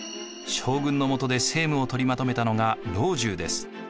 将軍のもとで政務を取りまとめたのが老中です。